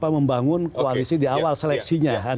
membangun koalisi di awal seleksinya